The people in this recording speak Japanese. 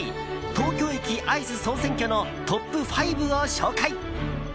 東京駅アイス総選挙のトップ５を紹介。